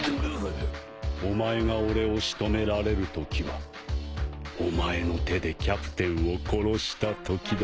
お前が俺を仕留められるときはお前の手でキャプテンを殺したときだ。